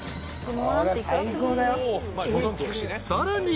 ［さらに。